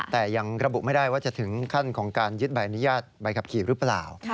แต่ยังระบุไม่ได้ว่าจะถึงขั้นของการยึดใบอนุญาตใบขับขี่หรือเปล่า